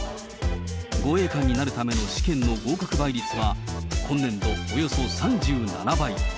護衛官になるための試験の合格倍率は、今年度およそ３７倍。